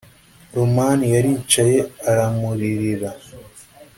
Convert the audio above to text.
roman yaricaye aramuririra